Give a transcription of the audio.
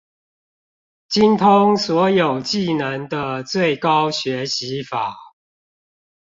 精通所有技能的最高學習法